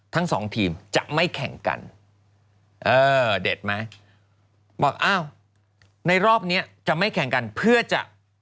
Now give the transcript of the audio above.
ทั้งสองทีมจะไม่แข่งกันเออเด็ดไหมบอกอ้าวในรอบเนี้ยจะไม่แข่งกันเพื่อจะ